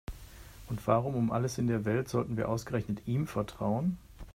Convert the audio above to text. Und warum um alles in der Welt sollten wir ausgerechnet ihm vertrauen?